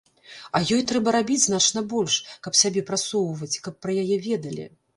А ёй трэба рабіць значна больш, каб сябе прасоўваць, каб пра яе ведалі.